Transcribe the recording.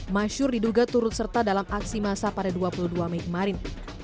masyur diduga turut serta dalam aksi masa pada dua puluh dua mei kemarin